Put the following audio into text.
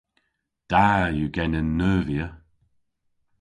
Da yw genen neuvya.